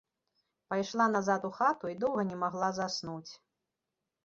Пайшла назад у хату і доўга не магла заснуць.